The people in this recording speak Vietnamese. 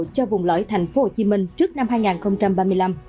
cho vùng lõi tp hcm trước năm hai nghìn ba mươi năm